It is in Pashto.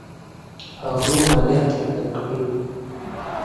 هغه مالیات را کم کړي وو.